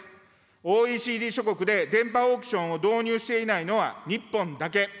ＯＥＣＤ諸国で電波オークションを導入していないのは日本だけ。